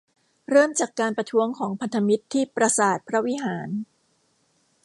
เริ่มจากการประท้วงของพันธมิตรที่ปราสาทพระวิหาร